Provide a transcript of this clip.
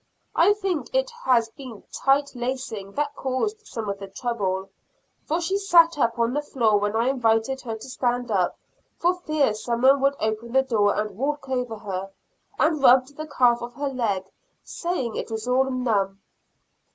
I think it has been tight lacing that caused some of the trouble, for she sat up on the floor when I invited her to stand up for fear some one would open the door and walk over her, and rubbed the calf of her leg, saying it was all numb.